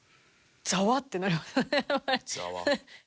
ざわってなりましたね。